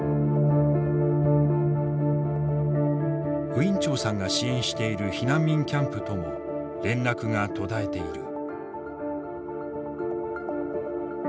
ウィン・チョウさんが支援している避難民キャンプとも連絡が途絶えている。